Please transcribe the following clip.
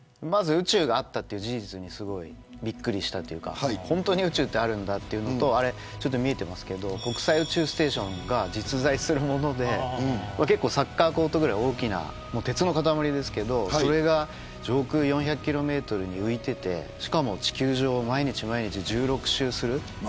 まず宇宙があったっていう事実にすごいびっくりしたというか本当に宇宙ってあるんだっていうのとあれ、ちょっと見えてますけど国際宇宙ステーションが実在するもので結構、サッカーコートぐらい大きな鉄の塊ですけどそれが上空４００キロメートルに浮いててしかも、地球上を毎日毎日１６週する。